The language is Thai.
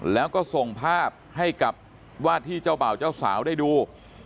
แล้วก็ส่งภาพให้กับว่าที่เจ้าบ่าวเจ้าสาวได้ดู